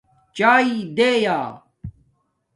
چاݵے دیں یا